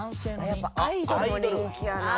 やっぱ『アイドル』も人気やな。